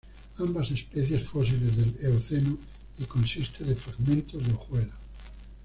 Ambas especies fósiles del Eoceno, y consiste de fragmentos de hojuelas.